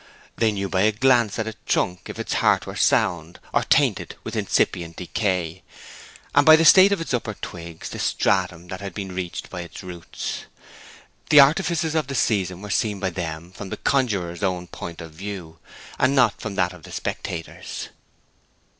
They knew by a glance at a trunk if its heart were sound, or tainted with incipient decay, and by the state of its upper twigs, the stratum that had been reached by its roots. The artifices of the seasons were seen by them from the conjuror's own point of view, and not from that of the spectator's.